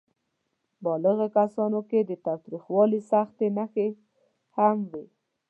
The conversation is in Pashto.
بالغو کسانو کې د تاوتریخوالي سختې نښې هم وې.